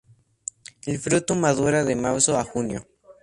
El fruto madura de marzo a junio.